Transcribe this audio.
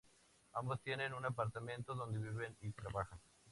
Ambos tienen un apartamento donde viven y trabajan.